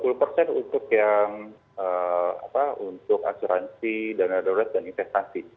dua puluh untuk yang apa untuk asuransi dana darurat dan investasi